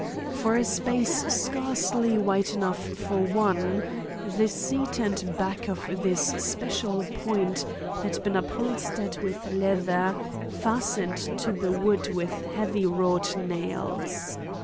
For a space scarcely wide enough for one, the seat and back at this special point had been upholstered with leather, fastened to the wood with heavy wrought nails.